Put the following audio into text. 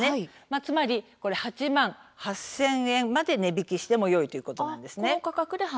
つまり、８万８０００円まで値引きをしてもよいということです。